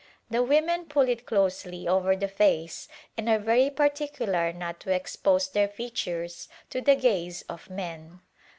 The women pull it closely over the face and are very particular not to expose their features to the gaze of men.